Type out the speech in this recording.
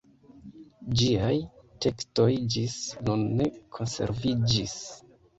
Ĝiaj tekstoj ĝis nun ne konserviĝis.